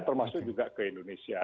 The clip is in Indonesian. termasuk juga ke indonesia